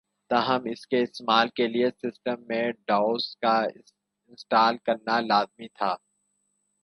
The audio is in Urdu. تاہم اس کے استعمال کے لئے سسٹم میں ڈوس کا انسٹال کرنا لازمی تھا